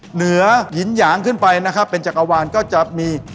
เหนือหินหยางขึ้นไปนะครับเป็นจักรวาลก็จะมี